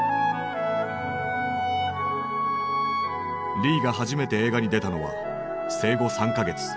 リーが初めて映画に出たのは生後３か月。